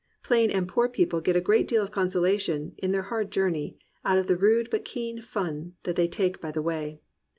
Plain and poor people get a great deal of consolation, in their hard journey, out of the rude but keen fun that they take by the way.